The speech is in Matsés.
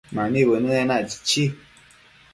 Mani bënë enac, chichi